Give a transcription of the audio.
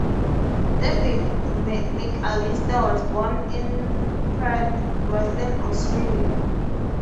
David McAllister was born in Perth, Western Australia.